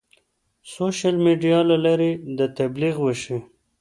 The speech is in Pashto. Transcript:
سوشیل میډیا له لارې د تبلیغ وشي.